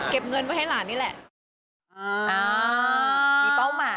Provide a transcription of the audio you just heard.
เงินไว้ให้หลานนี่แหละ